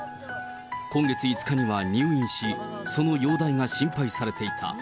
今月５日には入院し、その容体が心配されていた。